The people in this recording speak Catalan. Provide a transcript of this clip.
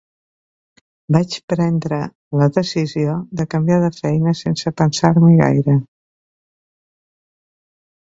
Vaig prendre la decisió de canviar de feina sense pensar-m'hi gaire.